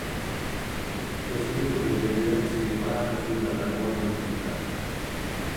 Lo sviluppo del genere si dipana fin dalla remota antichità.